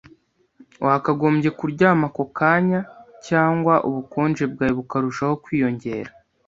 Wakagombye kuryama ako kanya, cyangwa ubukonje bwawe bukarushaho kwiyongera